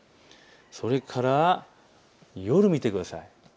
それから夜を見てください。